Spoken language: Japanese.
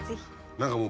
何かこう。